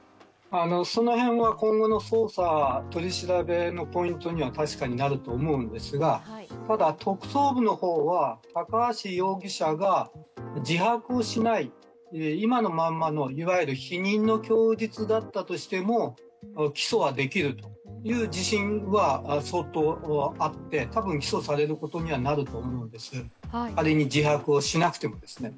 その辺は今後の捜査、取り調べのポイントには確かになると思うんですが、ただ特捜部は高橋容疑者が自白しない、今のままのいわゆる否認の供述だったとしても起訴はできるという自信は相当あってたぶん、起訴されることにはなると思うんです、ある意味、自白をしなくてもですね